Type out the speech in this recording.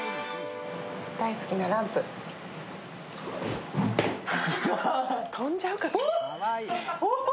大好きなランプ。